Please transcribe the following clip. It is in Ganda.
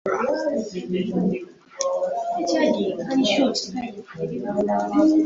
Abalimu ku mulundi guno bebalidde empaga.